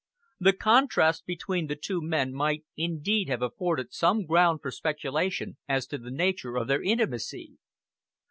The contrast between the two men might indeed have afforded some ground for speculation as to the nature of their intimacy.